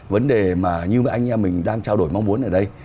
vấn đề mà như anh em mình đang trao đổi mong muốn ở đây